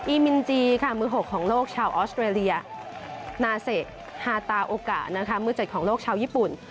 มินจีค่ะมือ๖ของโลกชาวออสเตรเลียนาเซฮาตาโอกะนะคะมือ๗ของโลกชาวญี่ปุ่น